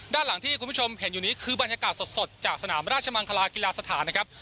ด้านหลังที่คุณผู้ชมเห็นอยู่นี้คือบรรยากาศสดจากสนามราชมังคลากีฬาสถานนะครับ